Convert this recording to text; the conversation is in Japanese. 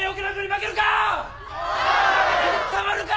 負けてたまるか！